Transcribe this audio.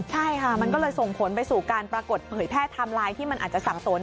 ใช่ค่ะมันก็เลยส่งผลไปสู่การปรากฏเผยแพร่ไทม์ไลน์ที่มันอาจจะสั่งสน